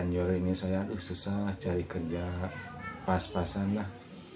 anjur ini saya susah cari kerja pas pasan lah